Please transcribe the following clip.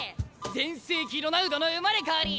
全盛期ロナウドの生まれ変わり！